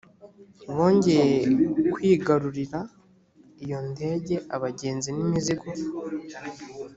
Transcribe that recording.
bongeye kwigarurira iyo ndege abagenzi n imizigo